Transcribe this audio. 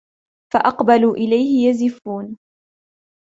فَأَقْبَلُوا إِلَيْهِ يَزِفُّونَ